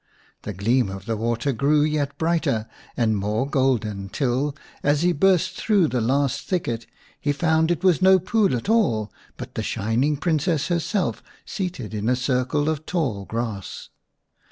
The gleam of the water grew yet brighter and more golden, till, as he burst through the last thicket, he found it was no pool at all, but the Shining Princess/ herself seated in a circle of tall grass.